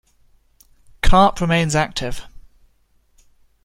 Karp remains active.